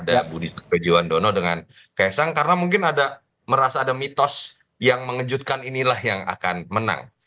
dianggap dianggap dianggap dengan keesan karena mungkin ada merasa ada mitos yang mengejutkan inilah yang akan menang